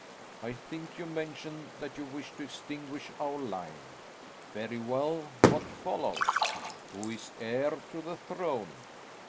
I think you mentioned that you wished to extinguish our line. Very well; what follows? Who is heir to the throne?"